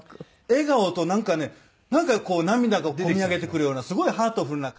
笑顔となんかねなんか涙がこみ上げてくるようなすごいハートフルな感じになって。